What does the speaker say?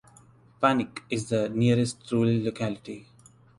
Panik is the nearest rural locality.